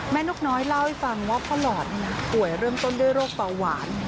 นกน้อยเล่าให้ฟังว่าพ่อหลอดป่วยเริ่มต้นด้วยโรคเบาหวาน